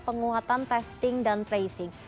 penguatan testing dan tracing